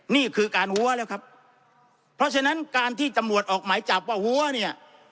นี่คือการหัวแล้วครับเพราะฉะนั้นการที่ตำรวจออกหมายจับว่าหัวเนี่ย